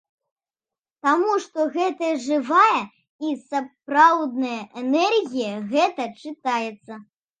Таму што гэта жывая і сапраўдная энергія, гэта чытаецца.